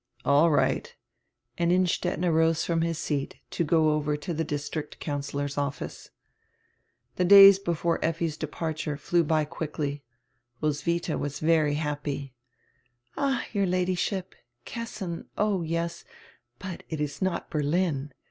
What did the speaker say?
"All right," and Innstetten arose from his seat to go over to die district councillor's office. The days before Effi's departure flew by quickly. Ros witiia was very happy. "Ah, your Ladyship, Kessin, oh yes — but it is not Berlin.